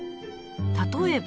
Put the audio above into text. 例えば